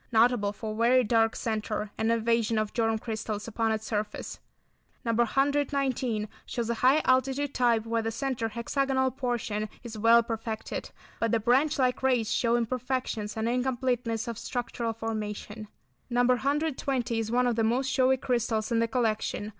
Notable for very dark centre, and invasion of germ crystals upon its surface. No. 119 shows a high altitude type where the centre hexagonal portion is well perfected, but the branch like rays show imperfections and incompleteness of structural formation. No. 120 is one of the most showy crystals in the collection.